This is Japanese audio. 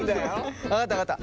分かった分かった。